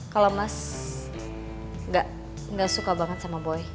kalau mas gak suka banget sama boy